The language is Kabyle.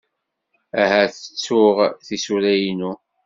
Ahat ttuɣ tisura-inu.